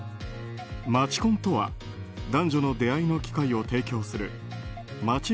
街コンとは男女の出会いの機会を提供する街